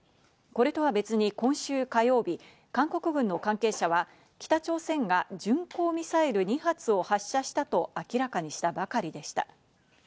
これとは別に今週火曜日、韓国軍の関係者は北朝鮮が巡航ミサイル２発を発射したと明らかにしたばかりでした。